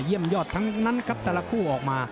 ยอดทั้งนั้นครับแต่ละคู่ออกมา